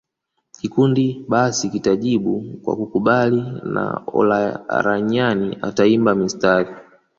Kikundi basi kitajibu kwa kukubali na Olaranyani ataimba mistari